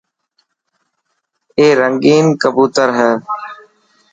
اي رنگين ڪبوتر هي.